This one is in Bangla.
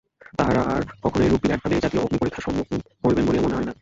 তাঁহারা আর কখনও এরূপ বিরাট ভাবে এইজাতীয় অগ্নিপরীক্ষার সম্মুখীন হইবেন বলিয়া মনে হয় না।